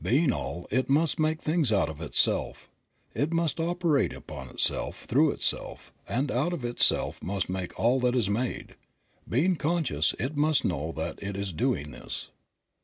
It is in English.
Being all, it must make things out of itself. It must operate upon itself, through itself, and out of itself must make all that is made. Being conscious, it must know that it is doing this.